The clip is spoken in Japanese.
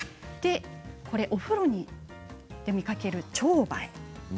お風呂で見かけるチョウバエ。